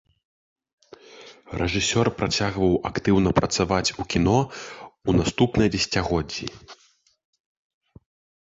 Рэжысёр працягваў актыўна працаваць у кіно ў наступныя дзесяцігоддзі.